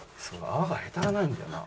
泡がへたらないんだよな。